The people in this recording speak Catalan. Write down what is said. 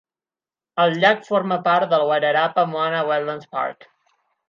El llac forma part del Wairarapa Moana Wetlands Park.